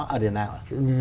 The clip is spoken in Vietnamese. ở địa nào ạ